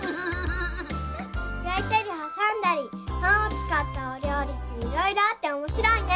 やいたりはさんだりパンをつかったおりょうりっていろいろあっておもしろいね！